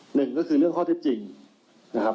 หนึ่งก็คือเรื่องข้อเท็จจริงนะครับ